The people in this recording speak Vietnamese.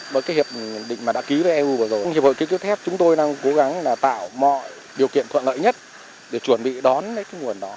bởi hiệp định đã ký với eu vừa rồi hiệp hội kết cấu thép chúng tôi đang cố gắng tạo mọi điều kiện thuận lợi nhất để chuẩn bị đón nguồn đó